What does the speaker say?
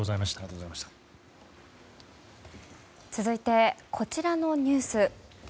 続いてこちらのニュース。